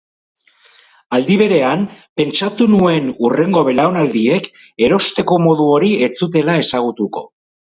Aldi berean, pentsatu nuen hurrengo belaunaldiek erosteko modu hori ez zutela ezagutuko.